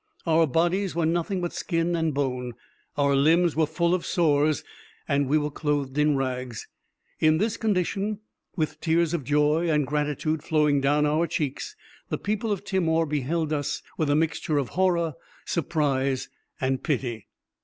Our bodies were nothing but skin and bone, our limbs were full of sores, and we were clothed in rags: in this condition, with tears of joy and gratitude flowing down our cheeks, the people of Timor beheld us with a mixture of horror, surprise, and pity.